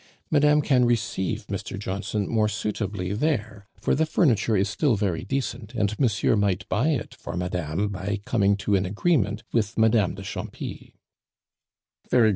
Madame can receive Mr. Johnson more suitably there, for the furniture is still very decent, and monsieur might buy it for madame by coming to an agreement with Madame de Champy."